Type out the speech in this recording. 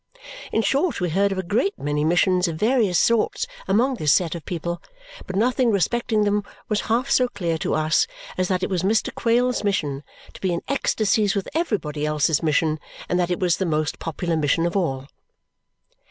In short, we heard of a great many missions of various sorts among this set of people, but nothing respecting them was half so clear to us as that it was Mr. Quale's mission to be in ecstasies with everybody else's mission and that it was the most popular mission of all.